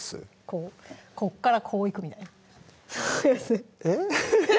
こうこっからこういくみたいなえっ？